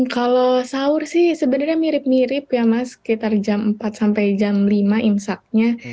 kalau sahur sih sebenarnya mirip mirip ya mas sekitar jam empat sampai jam lima insaknya